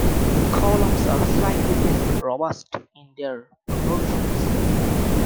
The columns are slightly less robust in their proportions.